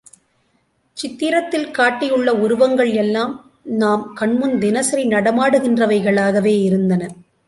சித்திரத்தில் காட்டியுள்ள உருவங்கள் எல்லாம் நாம் கண்முன் தினசரி நடமாடுகின்றவைகளாகவே இருந்தன.